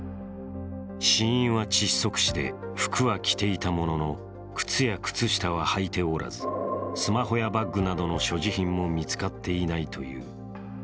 死因は窒息死で服は着ていたものの靴や靴下ははいておらずスマホやバッグなどの所持品も見つかっていないという。